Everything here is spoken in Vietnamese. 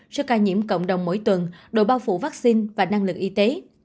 so với ca nhiễm cộng đồng mỗi tuần độ bao phủ vaccine và năng lực y tế